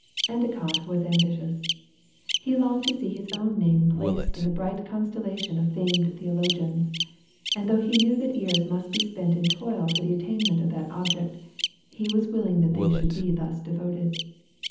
Endicott was ambitious. He longed to see his own name placed in the bright constellation of famed theologians; and though he knew that years must be spent in toil for the attainment of that object, he was willing that they should be thus devoted.